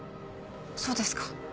そうですか。